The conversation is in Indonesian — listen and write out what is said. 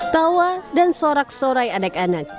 tawa dan sorak sorai anak anak